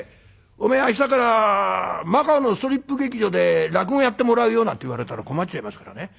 おめえ明日からマカオのストリップ劇場で落語やってもらうよ」なんて言われたら困っちゃいますからね。